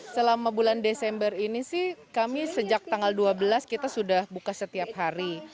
selama bulan desember ini sih kami sejak tanggal dua belas kita sudah buka setiap hari